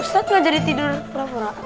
ustad gak jadi tidur pura pura